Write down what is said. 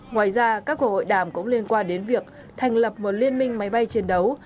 ngoài ra các cuộc hội đàm cũng liên quan đến việc thành lập một liên minh máy bay chiến đấu